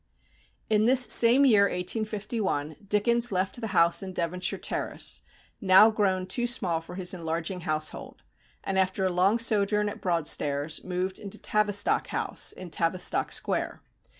In this same year, 1851, Dickens left the house in Devonshire Terrace, now grown too small for his enlarging household, and, after a long sojourn at Broadstairs, moved into Tavistock House, in Tavistock Square.